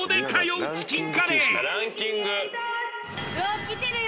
うわ来てるよ。